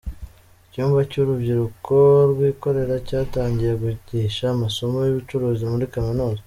Icyumba cy’Urubyiruko Rwikorera cyatangiye kwigisha amasomo y’ubucuruzi muri Kaminuza